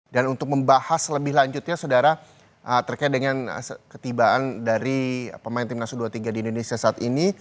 dan untuk membahas lebih lanjutnya saudara terkait dengan ketibaan dari pemain timnasu dua puluh tiga di indonesia saat ini